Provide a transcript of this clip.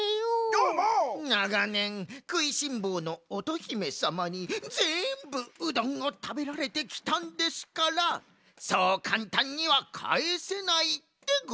ながねんくいしんぼうの乙姫さまにぜんぶうどんをたべられてきたんですからそうかんたんにはかえせないでございます。